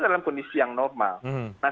dalam kondisi yang normal nah